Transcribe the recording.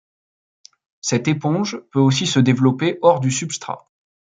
Cette éponge peut aussi se développer hors du substrat.